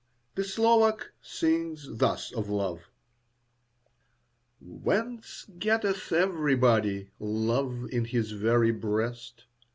The Slovak sings thus of love: Whence getteth everybody Love in his very breast?